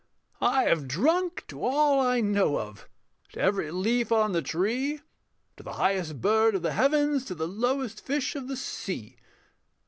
I have drunk to all I know of, To every leaf on the tree, To the highest bird of the heavens, To the lowest fish of the sea.